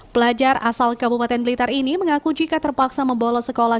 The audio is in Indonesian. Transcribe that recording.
pelajar asal kabupaten blitar ini mengaku jika terpaksa membolos sekolah